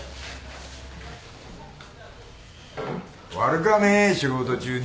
悪かねぇ仕事中に。